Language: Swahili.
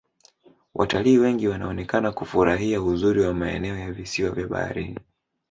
watalii wengi wanaonekana kufurahia uzuri wa maeneo ya visiwa vya baharini